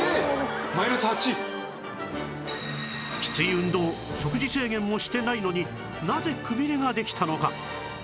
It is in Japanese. きつい運動食事制限もしてないのになぜくびれができたのか？